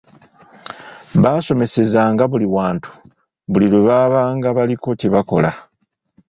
Basomesezanga buli wantu, buli lwe babanga baliko kye bakola.